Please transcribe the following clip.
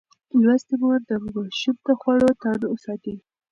لوستې مور د ماشوم د خوړو تنوع ساتي.